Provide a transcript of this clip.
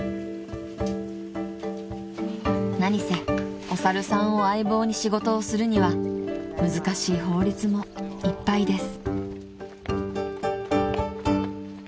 ［なにせお猿さんを相棒に仕事をするには難しい法律もいっぱいです］